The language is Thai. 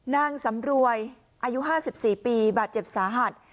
นั่งสำรวยอายุห้าสิบสี่ปีบาทเจ็บสาหัส